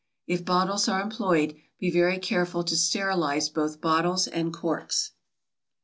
If bottles are employed, be very careful to sterilize both bottles and corks.